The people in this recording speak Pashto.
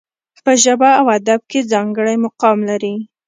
په ژبه او ادب کې ځانګړی مقام لري.